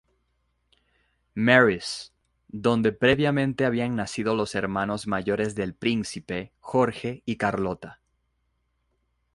Mary's, donde previamente habían nacido los hermanos mayores del príncipe, Jorge y Carlota.